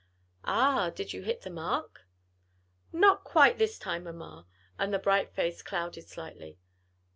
"Ah! did you hit the mark?" "Not quite this time, mamma," and the bright face clouded slightly.